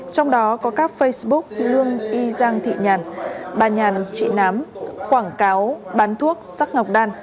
trong đó có các facebook lương y giang thị nhàn bà nhàn trị nám quảng cáo bán thuốc sắc ngọc đan